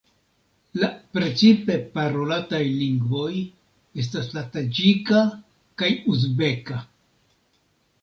La precipe parolataj lingvoj estas la taĝika kaj uzbeka.